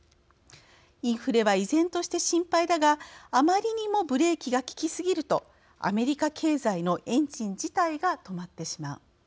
インフレは依然として心配だがあまりにもブレーキが利き過ぎるとアメリカ経済のエンジン自体が止まってしまう。